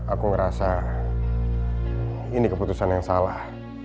aku merasa ini keputusan yang salah